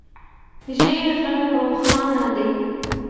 ژېړ رنګ روښانه دی.